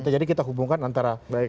jadi kita hubungkan antara